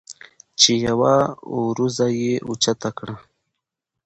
چې يوه وروځه یې اوچته کړه